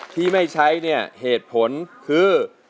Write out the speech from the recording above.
ที่ไม่ใช้เนี่ยเหตุผลคือ